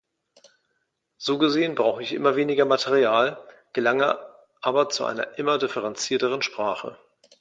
So gesehen brauche ich immer weniger Material, gelange aber zu einer immer differenzierteren Sprache.